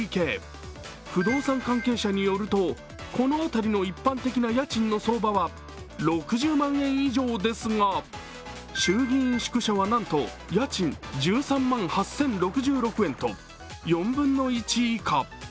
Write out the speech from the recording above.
不動産関係者によるとこの辺りの一般的な家賃の相場は６０万円以上ですが衆議院宿舎はなんと家賃１３万８０６６円と４分の１以下。